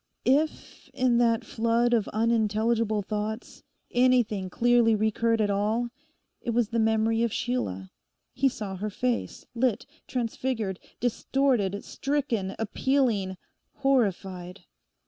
If, in that flood of unintelligible thoughts, anything clearly recurred at all, it was the memory of Sheila. He saw her face, lit, transfigured, distorted, stricken, appealing, horrified.